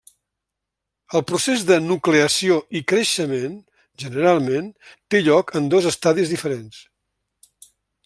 El procés de nucleació i creixement, generalment, té lloc en dos estadis diferents.